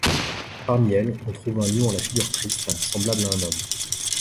Parmi elles, on trouve un lion à la figure triste, semblable à un homme.